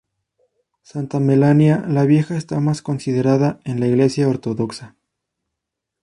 Santa Melania la Vieja está más considerada en la Iglesia Ortodoxa.